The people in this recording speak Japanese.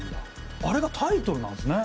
あれがタイトルなんすね！？